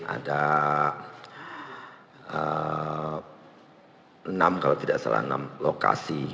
ada enam kalau tidak salah enam lokasi